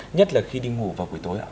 nhất là khi đi ngủ vào cuối tối ạ